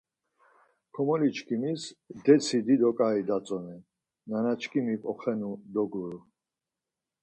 Komoliçkimiz detsi dido ǩai datzonen, nanaçkimik oxenu doguru.